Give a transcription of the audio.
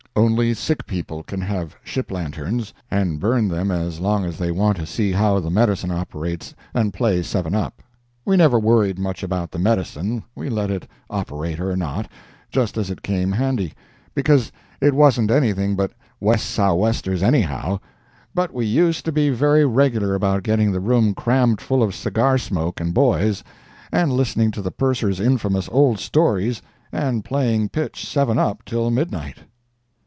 Only sick people can have ship lanterns, and burn them as long as they want to see how the medicine operates, and play seven up. We never worried much about the medicine—we let it operate or not, just as it came handy, because it wasn't anything but west sou' westers anyhow—but we used to be very regular about getting the room crammed full of cigar smoke and boys, and listening to the purser's infamous old stories, and playing pitch seven up till midnight.